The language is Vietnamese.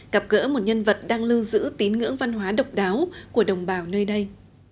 gặp gỡ một nhân vật đang lưu giữ tín ngưỡng văn hóa độc đáo của đồng bào nơi đây